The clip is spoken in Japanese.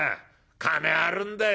金はあるんだよ